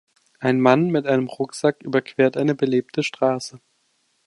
Ein Mann mit einem Rucksack überquert eine belebte Straße.